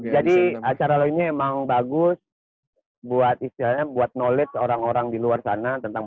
jadi acara lo ini emang bagus buat istilahnya buat knowledge orang orang di luar sana tentang